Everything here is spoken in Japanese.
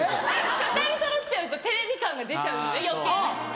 ２人そろっちゃうとテレビ感が出ちゃうので余計。